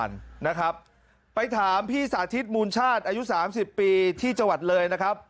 ๓๐นี่ยังไม่ฟิตเหรอ